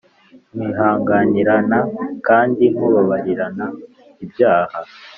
mwihanganirana kandi mubabarirana ibyaha